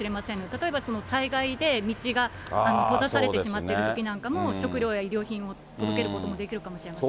例えば、災害で道が閉ざされてしまっているときなんかも、食料や衣料品を届けることもできるかもしれませんね。